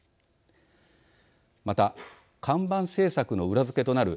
また、看板政策の裏付けとなる